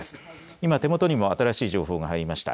今、手元にも新しい情報が入りました。